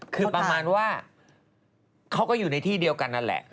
คือประมาณว่าเขาก็อยู่ในที่เดียวกันนั่นแหละ